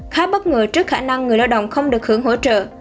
khá bất ngờ trước khả năng người lao động không được hưởng hỗ trợ